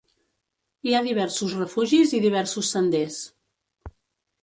Hi ha diversos refugis i diversos senders.